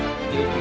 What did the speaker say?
mới chỉ là bê đổ